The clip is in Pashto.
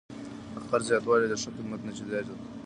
د خرڅ زیاتوالی د ښه خدمت نتیجه ده.